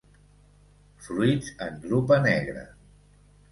Fruits en drupa negra.